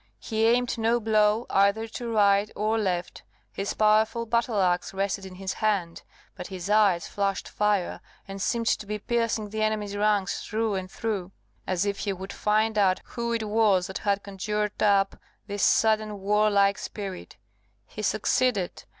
He aimed no blow either to right or left; his powerful battle axe rested in his hand; but his eyes flashed fire, and seemed to be piercing the enemy's ranks through and through, as if he would find out who it was that had conjured up this sudden warlike spirit. He succeeded.